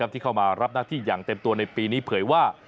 ที่เข้ามารับหน้าที่อย่างเต็มตัวในปีนี้เผยว่า